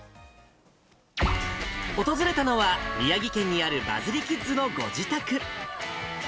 訪れたのは、宮城県にあるバズりキッズのご自宅。